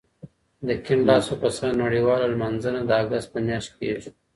د کیڼ لاسو کسانو نړیواله لمانځنه د اګست په میاشت کې کېږي.